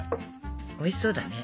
おいしそうだね。